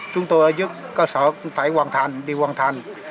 chúng tôi ở dưới cơ sở cũng phải hoàn thành đi hoàn thành